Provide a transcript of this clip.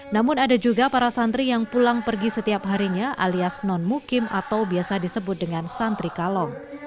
namun ada juga para santri yang pulang pergi setiap harinya alias non mukim atau biasa disebut dengan santri kalong